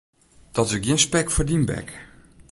Dat is gjin spek foar dyn bek.